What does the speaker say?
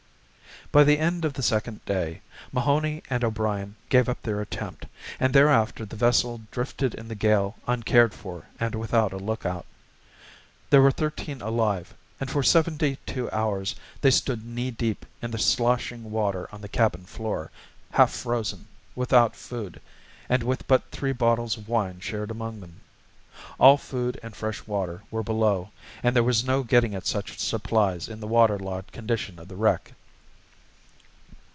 By the end of the second day, Mahoney and O'Brien gave up their attempt, and thereafter the vessel drifted in the gale uncared for and without a lookout. There were thirteen alive, and for seventy two hours they stood knee deep in the sloshing water on the cabin floor, half frozen, without food, and with but three bottles of wine shared among them. All food and fresh water were below, and there was no getting at such supplies in the water logged condition of the wreck.